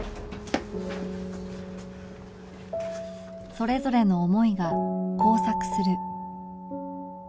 それぞれの思いが交錯する